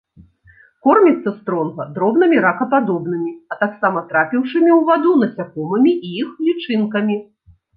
Корміцца стронга дробнымі ракападобнымі, а таксама трапіўшымі ў ваду насякомымі і іх лічынкамі.